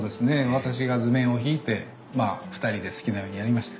私が図面を引いてまあ２人で好きなようにやりました。